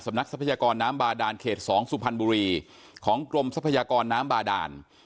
นักทรัพยากรน้ำบาดานเขต๒สุพรรณบุรีของกรมทรัพยากรน้ำบาดาน